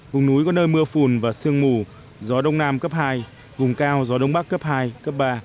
vùng núi có nơi mưa phùn và sương mù gió đông nam cấp hai vùng cao gió đông bắc cấp hai cấp ba